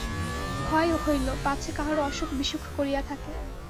ভয় হইল পাছে কাহারো অসুখ-বিসুখ করিয়া থাকে।